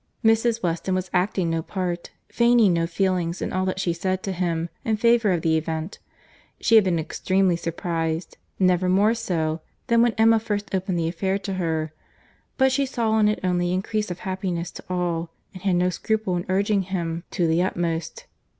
Mrs. Weston was acting no part, feigning no feelings in all that she said to him in favour of the event.—She had been extremely surprized, never more so, than when Emma first opened the affair to her; but she saw in it only increase of happiness to all, and had no scruple in urging him to the utmost.